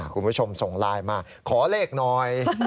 คุณผู้ชมส่งไลน์มาขอเลขหน่อย